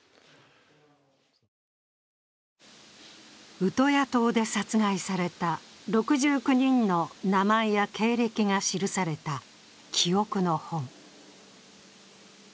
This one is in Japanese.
ウトヤ島で殺害された６９人の名前や経歴が記された「記憶の本」。